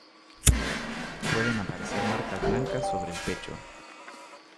Pueden aparecer marcas blancas sobre el pecho.